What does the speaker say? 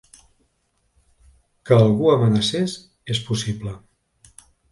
Que algú amenacés, és possible.